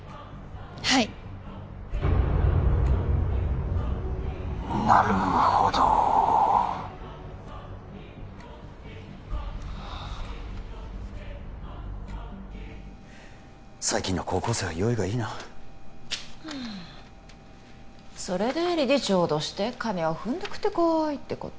はいなるほど最近の高校生は用意がいいなうーんそれで理事長を脅して金をふんだくってこーいってこと？